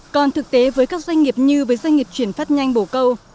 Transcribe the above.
còn thực tế với các doanh nghiệp như với doanh nghiệp chuyển phát nhanh bổ câu